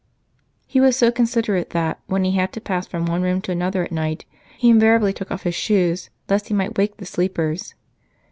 He was so considerate that, when he had to pass from one room to another at night, he invariably took off his shoes, lest he might wake the sleepers.